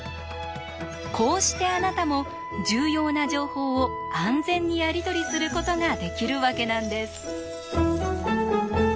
こうしてあなたも重要な情報を安全にやり取りすることができるわけなんです。